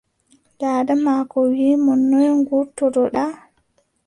Daada maako wii mo, noy ngurtoto-ɗa?